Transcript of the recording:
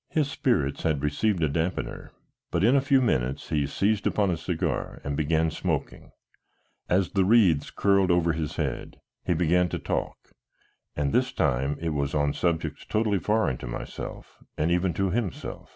His spirits had received a dampener, but in a few minutes he seized upon a cigar and began smoking; as the wreaths curled over his head he began to talk, and this time it was on subjects totally foreign to myself and even to himself.